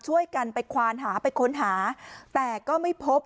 ช่วยกันไปควานหาไปค้นหาแต่ก็ไม่พบ